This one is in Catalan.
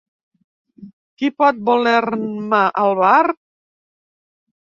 Qui pot voler-me al bar?